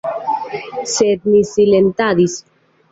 Sed ni silentadis.